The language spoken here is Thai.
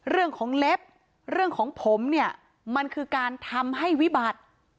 เรื่องของเล็บเรื่องของผมเนี่ยมันคือการทำให้วิบัติ